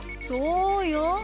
そうよ！